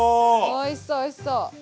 おいしそうおいしそう。